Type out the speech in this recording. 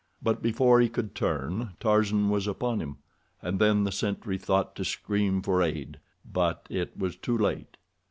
But before he could turn Tarzan was upon him, and then the sentry thought to scream for aid, but it was too late.